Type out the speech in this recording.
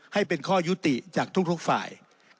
ให้เป็นข้อยุติจากทุกฝ่าย